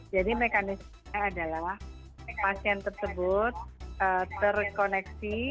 jadi mekanisme adalah pasien tersebut terkoneksi